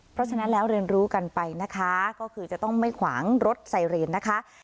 เพราะฉะนั้นแล้วเรียนรู้กันไปนะคะก็คือจะต้องไม่ขวางรถไซเรนนะคะ